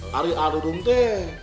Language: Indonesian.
hari a dudung teh